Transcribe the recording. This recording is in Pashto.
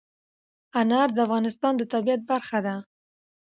انار د افغانستان د طبیعت برخه ده.